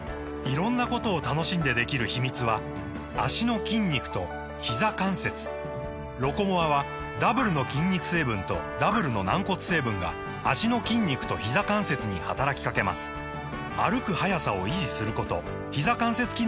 色んなことを楽しんでできる秘密は脚の筋肉とひざ関節「ロコモア」はダブルの筋肉成分とダブルの軟骨成分が脚の筋肉とひざ関節に働きかけます歩く速さを維持することひざ関節機能を維持することが報告されています